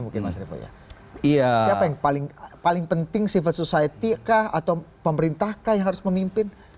siapa yang paling penting civil society kah atau pemerintah kah yang harus memimpin